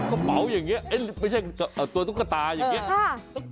กระเป๋าอย่างนี้ไม่ใช่ตัวตุ๊กตาอย่างนี้